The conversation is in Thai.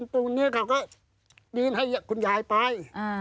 ตรงนี้เขาก็ยืนให้คุณยายไป